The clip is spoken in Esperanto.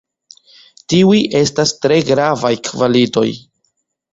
Tiuj estas tre gravaj kvalitoj.